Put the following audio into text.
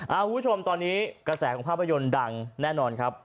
คุณผู้ชมตอนนี้กระแสของภาพยนตร์ดังแน่นอนครับ